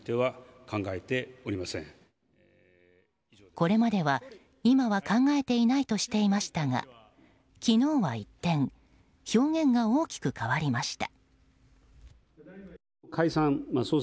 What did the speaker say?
これまでは、今は考えていないとしていましたが昨日は一転表現が大きく変わりました。